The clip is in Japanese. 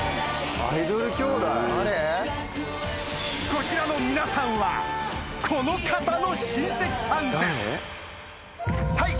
こちらの皆さんはこの方の親戚さんですはい！